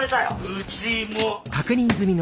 うちも。